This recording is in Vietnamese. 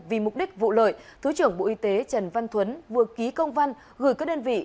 vì mục đích vụ lợi thứ trưởng bộ y tế trần văn thuấn vừa ký công văn gửi các đơn vị